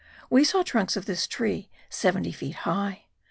We saw trunks of this tree seventy feet high.